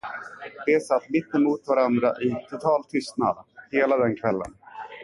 De satt mittemot varandra i total tystnad, hela den kvällen.